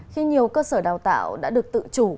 khi nhiều cơ sở đào tạo đã được tự chủ